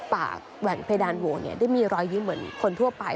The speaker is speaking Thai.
ปากแหว่งเพดานวงได้มีรอยยิ้มเหมือนคนทั่วไป